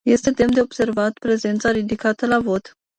Este demn de observat prezența ridicată la vot.